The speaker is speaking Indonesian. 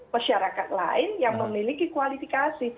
masyarakat lain yang memiliki kualifikasi